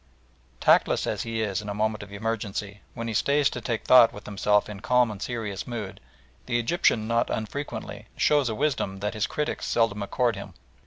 Tactless as he is in a moment of emergency, when he stays to take thought with himself in calm and serious mood, the Egyptian not unfrequently shows a wisdom that his critics seldom accord him.